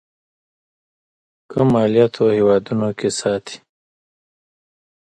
کم مالياتو هېوادونو کې ساتي.